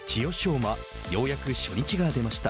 馬、ようやく初日が出ました。